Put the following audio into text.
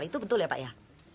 itu betul ya pak ya